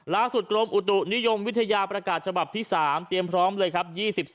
กรมอุตุนิยมวิทยาประกาศฉบับที่๓เตรียมพร้อมเลยครับ